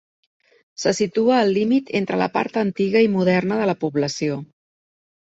Se situa al límit entre la part antiga i moderna de la població.